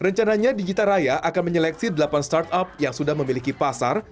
rencananya digital raya akan menyeleksi delapan startup yang sudah memiliki pasar